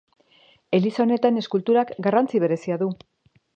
Eliza honetan eskulturak garrantzi berezia du.